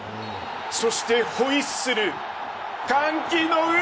そしてホイッスル。